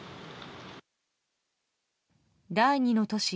第２の都市